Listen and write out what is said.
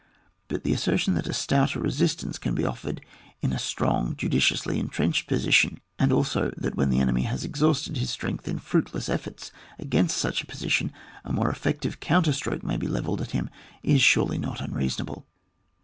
But the assertion that a stouter resistance can be offered in a strong judiciously entrenched position, and also that when the enemy has exhausted his strength in fruitless efforts against such a posi tion a more effective oounterstroke may be levelled at him, is surely not unrea sonable.